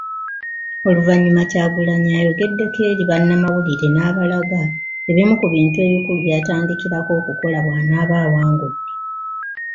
Oluvannyuma Kyagulanyi ayogeddeko eri bannamawulire n'abalaga ebimu ku bintu ebikulu by'atandikirako okukola bwanaaba awangudde.